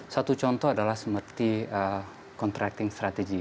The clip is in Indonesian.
satu contoh adalah seperti konratting strategi